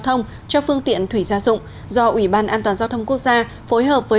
thông cho phương tiện thủy gia dụng do ủy ban an toàn giao thông quốc gia phối hợp với